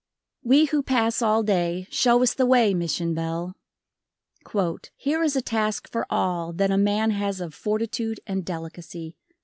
We who pass all day, show us the way, Mission bell. "here is a task for all that a man has of fortitude and delicacy."